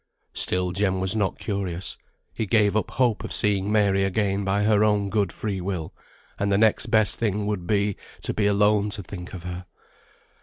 Still Jem was not curious. He gave up hope of seeing Mary again by her own good free will; and the next best thing would be, to be alone to think of her.